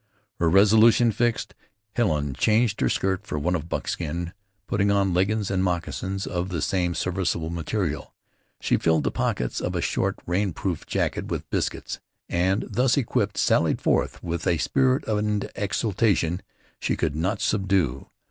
Her resolution fixed, Helen changed her skirt for one of buckskin, putting on leggings and moccasins of the same serviceable material. She filled the pockets of a short, rain proof jacket with biscuits, and, thus equipped, sallied forth with a spirit and exultation she could not subdue.